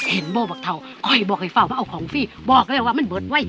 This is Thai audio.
เห็นโบบักเทาอ้อยบอกไอ้ฟาวว่าเอาของฟี่บอกเลยว่ามันเบิดไว้